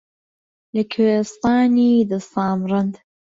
لە کوێستانی دە سامرەند